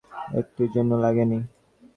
একটুর জন্য লাগেনি।